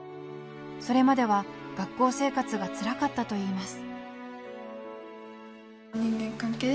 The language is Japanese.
それまでは学校生活がつらかったといいます。